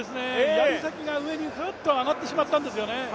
やり先が上にふっと上がってしまったんですよね。